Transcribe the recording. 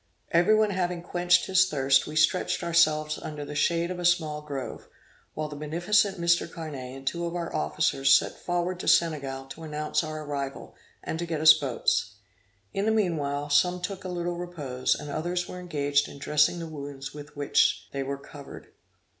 Every one having quenched his thirst, we stretched ourselves under the shade of a small grove, while the beneficent Mr. Carnet and two of our officers set forward to Senegal to announce our arrival, and to get us boats. In the meanwhile some took a little repose, and others were engaged in dressing the wounds with which they were covered.